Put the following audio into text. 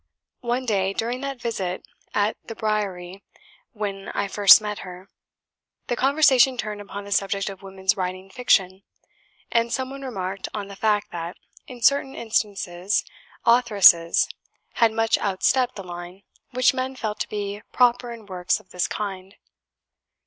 One day, during that visit at the Briery when I first met her, the conversation turned upon the subject of women's writing fiction; and some one remarked on the fact that, in certain instances, authoresses had much outstepped the line which men felt to be proper in works of this kind.